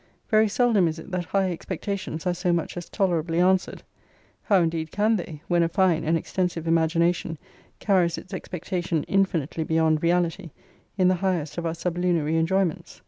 Very seldom is it that high expectations are so much as tolerably answered. How indeed can they, when a fine and extensive imagination carries its expectation infinitely beyond reality, in the highest of our sublunary enjoyments?